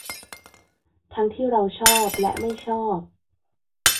ทั้งที่เราชอบและไม่ชอบ